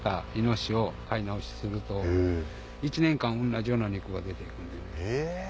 １年間同じような肉が出て行くんでね。